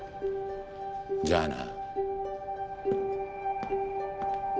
じゃあな。